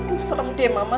uh serem deh mama